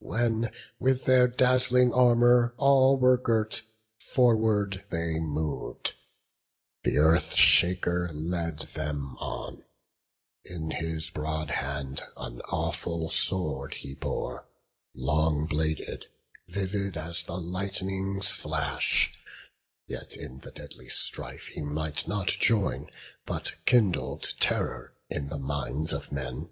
When with their dazzling armour all were girt, Forward they mov'd; th' Earth shaker led them on: In his broad hand an awful sword he bore, Long bladed, vivid as the lightning's flash: Yet in the deadly strife he might not join, But kindled terror in the minds of men.